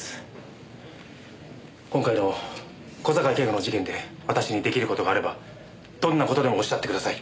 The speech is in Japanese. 今回の小坂井恵子の事件で私に出来る事があればどんな事でもおっしゃってください。